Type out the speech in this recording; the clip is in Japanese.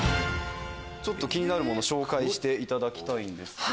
気になるもの紹介していただきたいんですけど。